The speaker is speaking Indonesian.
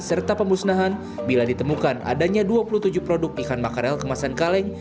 serta pemusnahan bila ditemukan adanya dua puluh tujuh produk ikan makarel kemasan kaleng